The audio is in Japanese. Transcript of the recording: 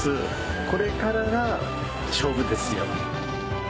これからが勝負ですよ。